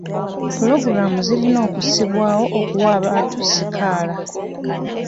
Pulogulamu zirina okussibwawo okuwa abantu sikaala.